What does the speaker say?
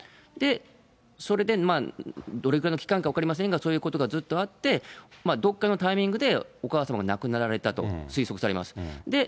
で、それでどれくらいの期間か分かりませんが、そういうことがずっとあって、どこかのタイミングでお母様が亡くなられたと推測されます。